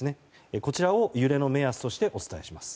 こちらを揺れの目安としてお伝えします。